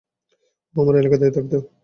ও আমার এলাকাতেই থাকত।